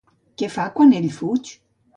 Què fa quan ell fuig?